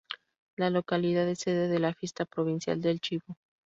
La localidad es sede de la Fiesta Provincial del Chivo.